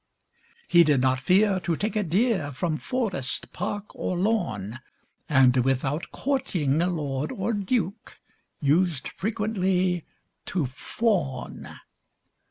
He did not fear to take a deer From forest, park, or lawn; And without courting lord or duke, Used frequently to fawn.